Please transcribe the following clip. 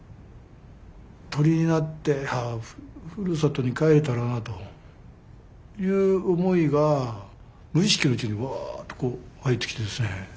鳥になってふるさとに帰れたらなという思いが無意識のうちにわっとこう湧いてきてですね